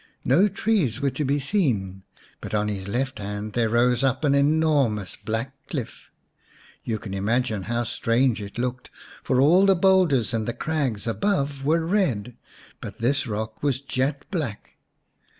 No trees were to be seen, but on his left hand there rose up an enormous black cliff. You can imagine how strange it looked, for all the boulders and the crags above were red, but this rock was jet black.